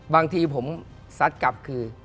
บางทีผมซัดกลับคือ